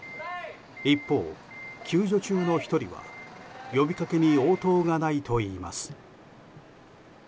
一方、救助中の１人は呼びかけに応答がないといいます。